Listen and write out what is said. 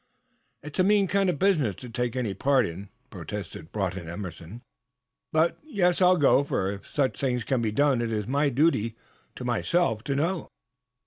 "It's a mean kind of business to take any part in," protested Broughton Emerson, hoarsely. "But yes, I'll go, for if such things can be done it is my duty to myself to know."